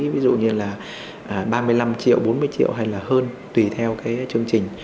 ví dụ như là ba mươi năm triệu bốn mươi triệu hay là hơn tùy theo cái chương trình